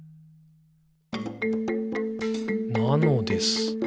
「なのです。」